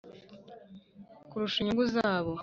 kurusha inyungu zabo